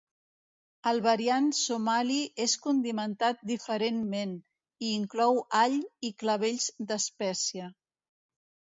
El variant somali és condimentat diferentment, i inclou all i clavells d'espècia.